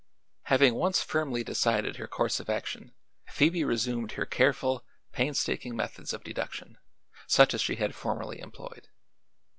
Having once firmly decided her course of action, Phoebe resumed her careful, painstaking methods of deduction, such as she had formerly employed.